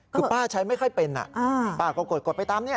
คือป้าใช้ไม่ค่อยเป็นป้าก็กดไปตามนี้